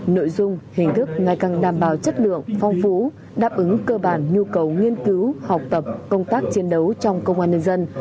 nội dung hình thức ngày càng đảm bảo chất lượng phong phú đáp ứng cơ bản nhu cầu nghiên cứu học tập công tác chiến đấu trong công an nhân dân